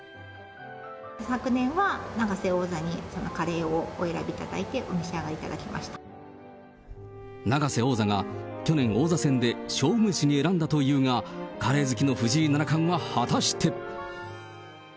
昨年は永瀬王座にカレーをお選びいただいて、お召し上がりい永瀬王座が、去年、王座戦で勝負メシに選んだというが、カレー好きの藤井七冠は果たして？